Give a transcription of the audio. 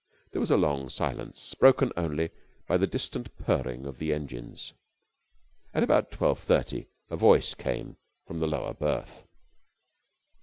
There was a long silence, broken only by the distant purring of engines. At about twelve thirty a voice came from the lower berth.